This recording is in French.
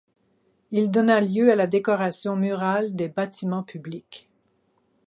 Il donna lieu à la décoration murale des bâtiments publics.